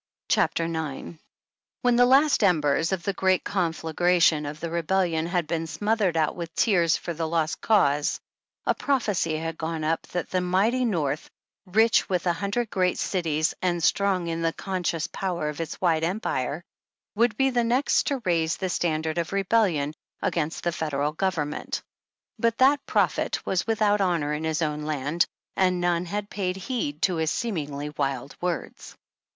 CHAPTER IX. When the last embers of the great conflagration of the Rebellion had been smothered out with tears for the Lost Cause, a prophecy had gone up that the mighty North, rich with a hundred great cities, and strong in the conscious power of its wide empire, would be the next to raise the standard of rebellion against the Federal Government. But that prophet was without honor in his own land, and none had paid heed to his seemingly wild words.